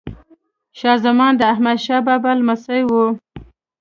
شاه زمان د احمد شاه بابا لمسی وه.